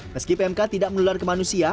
meski pmk tidak menular ke manusia